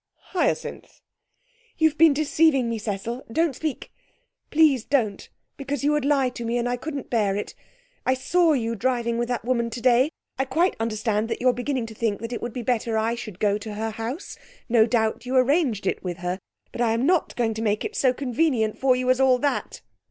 'Hyacinth!' 'You've been deceiving me, Cecil. Don't speak please don't because you would lie to me, and I couldn't bear it. I saw you driving with that woman today. I quite understand that you're beginning to think it would be better I should go to her house. No doubt you arranged it with her. But I'm not going to make it so convenient for you as all that!'